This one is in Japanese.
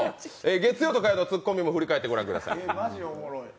月曜と火曜のツッコミも振り返ってご覧ください。